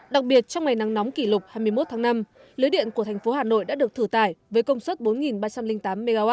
đặc biệt trong ngày nắng nóng kỷ lục hai mươi một tháng năm lưới điện của thành phố hà nội đã được thử tải với công suất bốn ba trăm linh tám mw